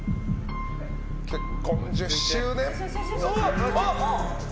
結婚１０周年。